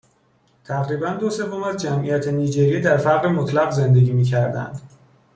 تقریباً دو سوم از جمعیت نیجریه در فقر مطلق زندگی میکردند